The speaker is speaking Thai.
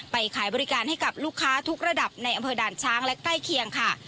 ขายบริการให้กับลูกค้าทุกระดับในอำเภอด่านช้างและใกล้เคียงค่ะ